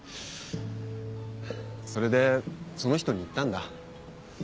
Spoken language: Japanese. それでその人に言ったんだ。